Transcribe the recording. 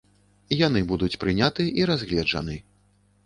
Яны будуць прыняты і разгледжаны.